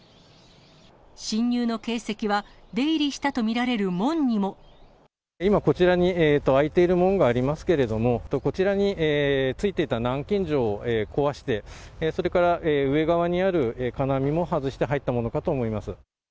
侵入の形跡は、今、こちらに開いている門がありますけれども、こちらについていた南京錠、壊して、それから上側にある金網も外して入ったものかと思います。